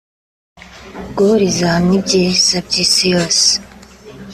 guhuriza hamwe ibyiza by’Isi yose